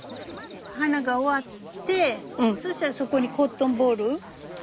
花が終わってそしたらそこにコットンボール。